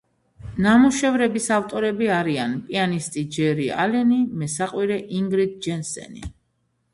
ნამუშევრების ავტორები არიან, პიანისტი ჯერი ალენი, მესაყვირე ინგრიდ ჯენსენი.